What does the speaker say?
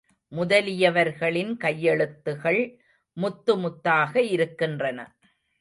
முதலியவர்களின் கையெழுத்துகள் முத்து முத்தாக இருக்கின்றன.